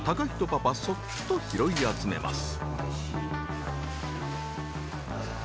パパそっと拾い集めます。